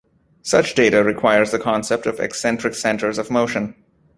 Such data requires the concept of eccentric centers of motion.